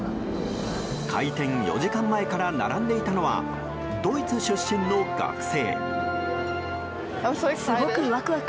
開店４時間前から並んでいたのはドイツ出身の学生。